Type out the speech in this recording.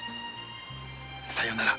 さようなら